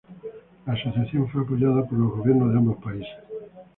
La asociación fue apoyada por los gobiernos de ambos países.